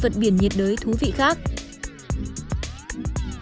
vật biển nhiệt đới thú vị khác nơi đây thực sự là thiên đường bơi lặn biển dành cho du khách